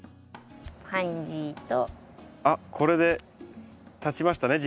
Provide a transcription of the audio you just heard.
あっこれでたちましたね